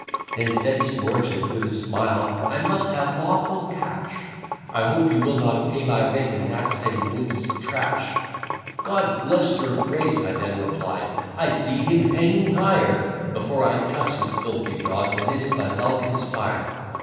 Then said his lordship with a smile, "I must have lawful cash, I hope you will not pay my rent in that same Wood's trash!" "God bless your Grace," I then replied, "I'd see him hanging higher, Before I'd touch his filthy dross, than is Clandalkin spire."